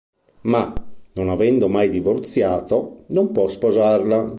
Ma, non avendo mai divorziato, non può sposarla.